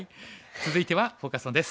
続いてはフォーカス・オンです。